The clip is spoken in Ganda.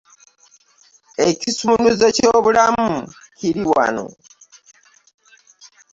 Ekisumuluzo ky'obulamu kiri wano.